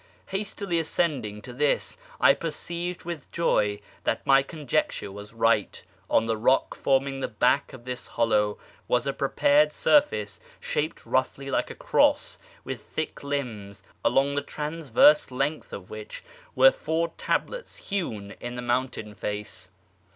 Hastily ascend ing to this, I perceived with joy that my conjecture was right. On the rock forming the back of this hollow was a prepared surface, shaped roughly like a cross with very thick limbs, along the transverse length of which were four tablets hewn in the mountain face.